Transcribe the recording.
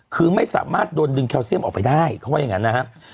คือไม่สามารถโดนดึงแคลเซียมออกไปได้เขาว่าอย่างนั้นนะครับ